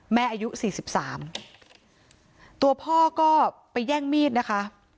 แม่อายุสี่สิบสามตัวพ่อก็ไปแย่งมีดนะคะ